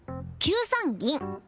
９三銀